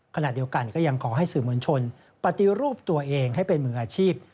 ขณะเดียวกันก็ยังขอให้สื่อมวลชนปฏิรูปตัวเองให้เป็นมืออาชีพ